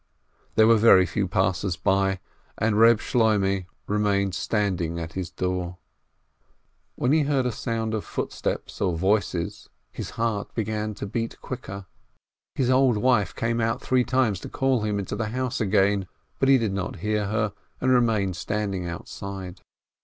There were very few passers by, and Reb Shloimeh remained standing at his door. 348 PINSKI When he heard a sound of footsteps or voices, his heart began to beat quicker. His old wife came out three times to call him into the house again, but he did not hear her, and remained standing outside.